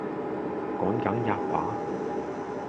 「趕緊喫罷！」